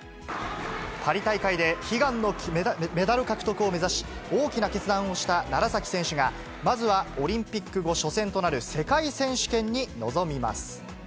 パリ大会で悲願のメダル獲得を目指し、大きな決断をした楢崎選手が、まずはオリンピック後初戦となる世界選手権に臨みます。